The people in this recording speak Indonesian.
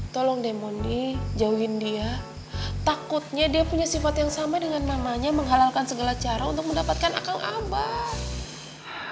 tolong demondi jauhin dia takutnya dia punya sifat yang sama dengan namanya menghalalkan segala cara untuk mendapatkan akan abad